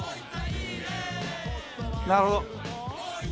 なるほど。